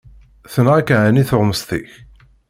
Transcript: Tenɣa-k ɛni tuɣmest-ik?